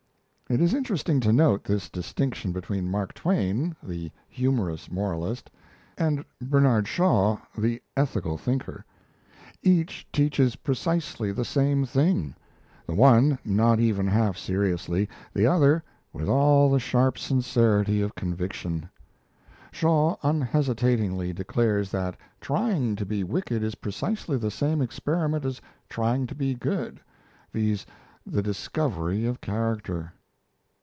It is interesting to note this distinction between Mark Twain, the humorous moralist, and Bernard Shaw, the ethical thinker. Each teaches precisely the same thing the one not even half seriously, the other with all the sharp sincerity of conviction. Shaw unhesitatingly declares that trying to be wicked is precisely the same experiment as trying to be good, viz., the discovery of character.